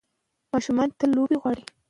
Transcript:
د سولې پیغام باید نړیوال وي.